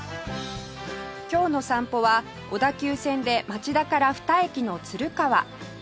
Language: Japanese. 今日の散歩は小田急線で町田から２駅の鶴川